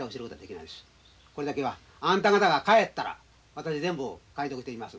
これだけはあんた方が帰ったら私全部解読できます。